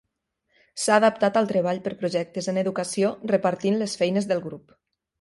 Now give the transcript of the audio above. S'ha adaptat al treball per projectes en educació, repartint les feines del grup.